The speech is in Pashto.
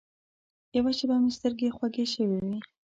یوه شېبه مې سترګې خوږې شوې وې.